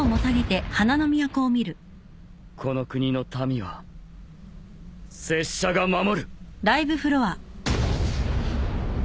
この国の民は拙者が守る。